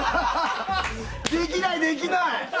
できない、できない！